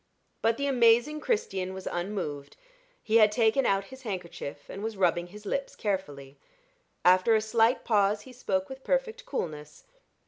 But the amazing Christian was unmoved. He had taken out his handkerchief and was rubbing his lips carefully. After a slight pause, he spoke with perfect coolness.